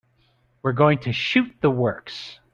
We're going to shoot the works.